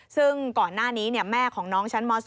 ซึ่งก่อนหน้านี้แม่ของน้องชั้นม๒